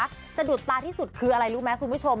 สะดุดตาที่สุดคืออะไรรู้ไหมคุณผู้ชม